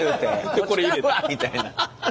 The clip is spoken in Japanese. でこれ入れたみたいな。